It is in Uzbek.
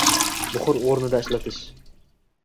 Muhr o‘rnida ishlatish